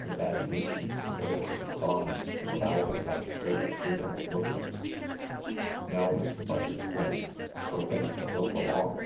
After that he loosened the Dervisher's bonds to allow him much greater freedom of movement. "Now, Mr. Buzzard Flynn, we're ready to lope along.